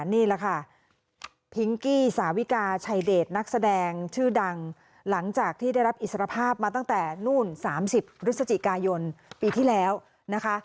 นี่แหละค่ะพิงกี้สาวิกาชัยเดชนักแสดงชื่อดังหลังจากที่ได้รับอิสรภาพมาตั้งแต่นู่น๓๐พฤศจิกายนปีที่แล้วนะคะ